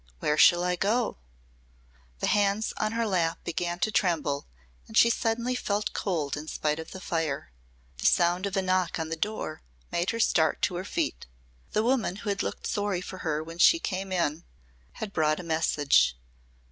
Where shall I go!" The hands on her lap began to tremble and she suddenly felt cold in spite of the fire. The sound of a knock on the door made her start to her feet. The woman who had looked sorry for her when she came in had brought a message.